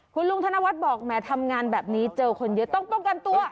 คุณลุงธนวัฒน์บอกแหมทำงานแบบนี้เจอคนเยอะต้องป้องกันตัว